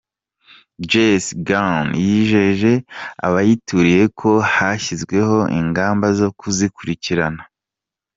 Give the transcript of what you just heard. Jes Gruner, yijeje abayituriye ko hashyizweho ingamba zo kuzikurikirana.